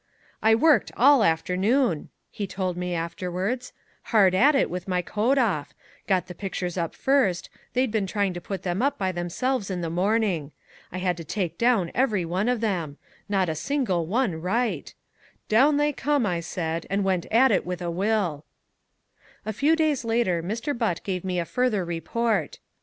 "I worked all afternoon," he told me afterwards, "hard at it with my coat off got the pictures up first they'd been trying to put them up by themselves in the morning. I had to take down every one of them not a single one right, 'Down they come,' I said, and went at it with a will." A few days later Mr. Butt gave me a further report.